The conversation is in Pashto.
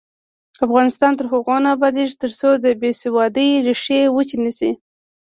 افغانستان تر هغو نه ابادیږي، ترڅو د بې سوادۍ ریښې وچې نشي.